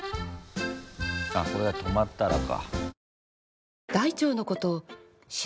これが止まったらか。